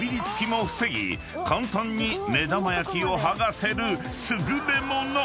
［簡単に目玉焼きを剥がせる優れもの］